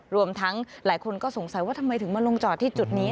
รวมทั้งหลายคนก็สงสัยว่าทำไมถึงมาลงจอดที่จุดนี้